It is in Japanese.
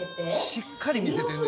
しっかり見せてんね。